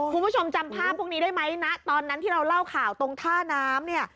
คุณผู้ชมจำภาพพวกนี้ได้ไหมนะตอนนั้นที่เราเล่าข่าวตรงท่าน้ำเนี่ย